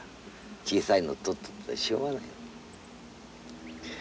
小さいの取っとってもしょうがない。